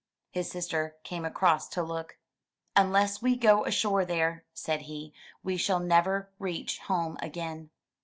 '' His sister came across to look. * 'Unless we go ashore there,'* said he, *Ve shall never reach home again."